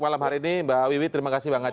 malam hari ini mbak wiwi terima kasih mbak nga c